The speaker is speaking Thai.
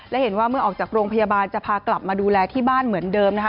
และเห็นว่าเมื่อออกจากโรงพยาบาลจะพากลับมาดูแลที่บ้านเหมือนเดิมนะคะ